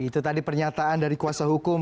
itu tadi pernyataan dari kuasa hukum